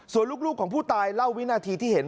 ส่วนลูกของผู้ตายเล่าวินาทีที่เห็น